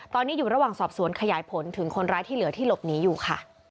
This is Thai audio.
ตอนนี้อยู่ระหว่างสอบสวนขยายผลถึงคนร้ายที่เหลือที่หลบหนีอยู่ค่ะ